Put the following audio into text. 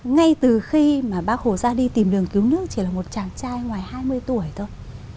ngay từ khi mà bác hồ ra đi tìm đường cứu nước chỉ là một chàng trai ngoài hai mươi tuổi thôi